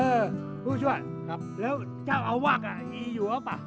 เออผู้ช่วยแล้วเจ้าเอาวักอ่ะอีหยัวป่ะ